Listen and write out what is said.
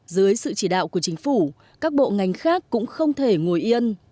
dưới sự chỉ đạo của chính phủ các bộ ngành khác cũng không thể ngồi yên